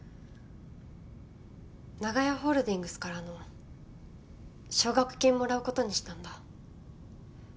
長屋ホールディングスからの奨学金もらう事にしたんだ。